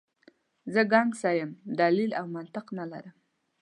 زه ګنګسه یم، دلیل او منطق نه لرم.